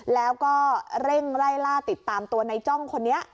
แล้วก็เร่งไล่ล่าติดตามตัวในจ้องคนนี้